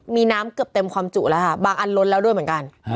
มีน้ำเกือบเต็มความจุแล้วค่ะบางอันล้นแล้วด้วยเหมือนกัน